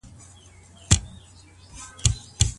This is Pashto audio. بل مهم شرط د منځګړي لپاره کوم دی؟